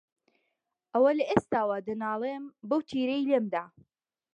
ئەوە لە ئێستاوە دەنالێم، بەو تیرەی لێم دا